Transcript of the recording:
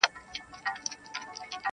مامې په سکروټو کې خیالونه ورلېږلي وه-